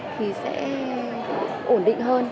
thì sẽ ổn định hơn